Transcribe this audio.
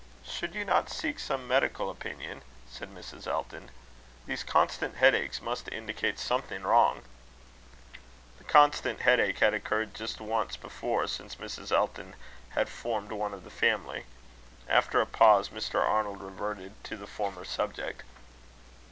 "Should you not seek some medical opinion?" said Mrs. Elton. "These constant headaches must indicate something wrong." The constant headache had occurred just once before, since Mrs. Elton had formed one of the family. After a pause, Mr. Arnold reverted to the former subject.